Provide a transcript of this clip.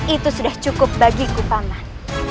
itu sudah cukup bagiku paman